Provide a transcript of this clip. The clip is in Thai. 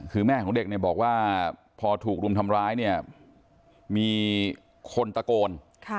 คือแม่ของเด็กบอกว่าพอถูกรุมทำร้ายมีคนตะโกน